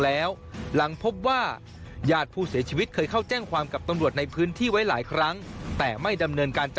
เพราะว่าพวกมันกัดกลุ่มกันหมดแล้ว